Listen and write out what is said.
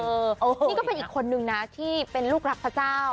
นี่ก็เป็นอีกคนนึงนะที่เป็นลูกรักพระเจ้า